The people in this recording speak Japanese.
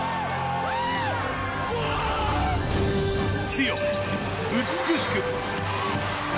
強く、美しく。